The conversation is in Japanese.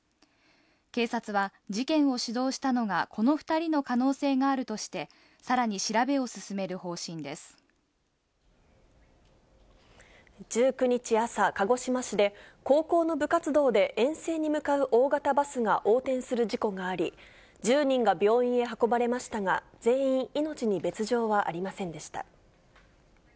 警察は、事件を主導したのがこの２人の可能性があるとして、さらに調べを１９日朝、鹿児島市で、高校の部活動で遠征に向かう大型バスが横転する事故があり、１０人が病院へ運ばれましたが、全員命に別状はありませんでした。